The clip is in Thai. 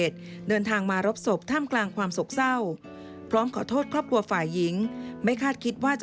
ทำยังไงเขาก็เสียแล้วก็เสียนี่อากาศขอโทษ